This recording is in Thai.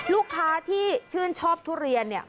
ลูกค้าที่ชื่นชอบทุเรียนเนี่ย